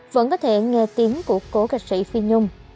vẫn có thể nghe tiếng của cố ca sĩ phi nhung